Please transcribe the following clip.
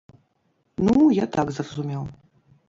Ну я так зразумеў.